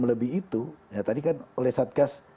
melebihi itu tadi kan oleh satgas